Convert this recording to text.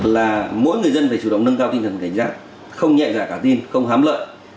là mỗi người dân phải chủ động nâng cao tinh thần cảnh giác không nhẹ dạ cả tin không hám lợi